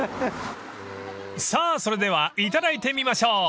［さぁそれではいただいてみましょう］